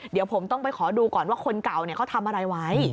เดี๋ยวผมต้องไปขอดูก่อนว่าคนเก่าเขาทำอะไรไว้